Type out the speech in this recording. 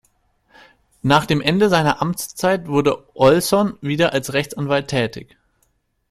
Nach dem Ende seiner Amtszeit wurde Olson wieder als Rechtsanwalt tätig.